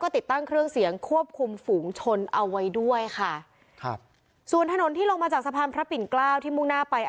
ติดตั้งเครื่องเสียงควบคุมฝูงชนเอาไว้ด้วยค่ะครับส่วนถนนที่ลงมาจากสะพานพระปิ่นเกล้าที่มุ่งหน้าไป